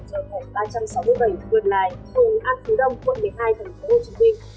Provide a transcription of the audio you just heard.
trong thổng ba trăm sáu mươi bảy vượt lại thông an phú đông quận một mươi hai thành phố hồ chí minh